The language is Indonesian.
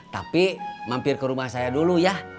tapi mampir ke rumah saya dulu ya